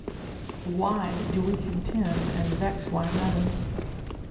Why do we contend and vex one another?